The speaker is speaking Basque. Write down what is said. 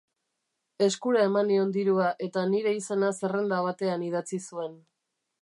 Eskura eman nion dirua eta nire izena zerrenda batean idatzi zuen.